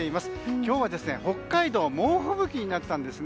今日は北海道猛吹雪になったんですね。